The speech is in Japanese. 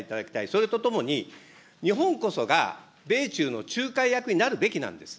それとともに、日本こそが米中の仲介役になるべきなんです。